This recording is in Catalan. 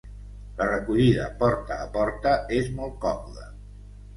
la recollida porta a porta és molt còmoda